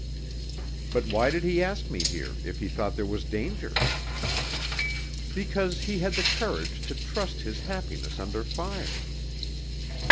"But why did he ask me here, if he thought there was danger?" "Because he had the courage to trust his happiness under fire."